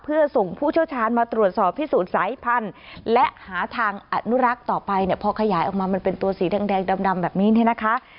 เพื่อส่งผู้เชี่ยวชาญมาตรวจสอบพิสูจน์สายพันธุ์และหาทางอนุรักษ์ต่อไปเนี่ยพอขยายออกมามันเป็นตัวสีแดงดำแบบนี้เนี่ยนะคะ